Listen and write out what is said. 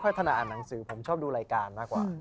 เพราะว่าถนัดอ่านหนังสือผมชอบดูรายการมากกว่า